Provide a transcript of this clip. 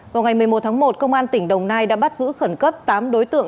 vào ngày một mươi một tháng một công an tỉnh đồng nai đã bắt giữ khẩn cấp tám đối tượng